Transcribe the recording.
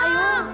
gak bisa elah